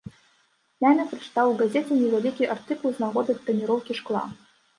Днямі прачытаў у газеце невялікі артыкул з нагоды таніроўкі шкла.